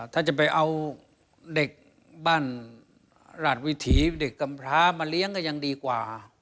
ถ้าจะไปเอาเด็กบ้านราชวิถีเด็กกำพร้ามาเลี้ยงก็ยังดีกว่า